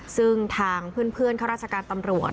ซึ่งทางเพื่อนข้าราชการตำรวจ